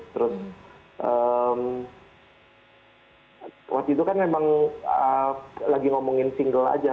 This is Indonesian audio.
terus waktu itu kan memang lagi ngomongin single aja